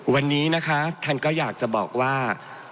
วันนี้นะคะท่านก็อยากจะบอกว่า